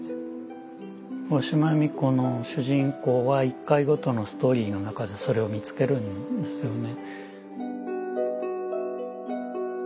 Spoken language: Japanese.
大島弓子の主人公は一回ごとのストーリーの中でそれを見つけるんですよね。